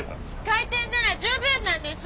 回転なら十分なんです！